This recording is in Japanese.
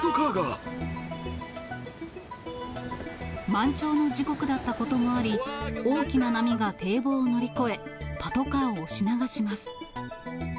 満潮の時刻だったこともあり、大きな波が堤防を乗り越え、パトカーを押し流します。